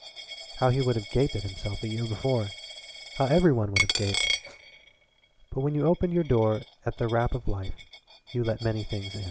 How he would have gaped at himself a year before! How every one would have gaped! But when you opened your door at the rap of life you let in many things.